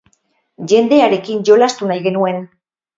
Jendearekin jolastu nahi genuen.